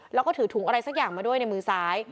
แล้วก็ถือถุงอะไรสักอย่างมาด้วยในมือซ้าย